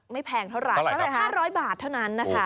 ไม่แพงเท่าไหร่ตั้งแต่๕๐๐บาทเท่านั้นนะคะ